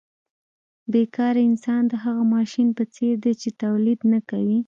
بې کاره انسان د هغه ماشین په څېر دی چې تولید نه کوي